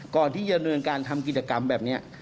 ก่อนที่จะดำเนินการทำกิจกรรมแบบนี้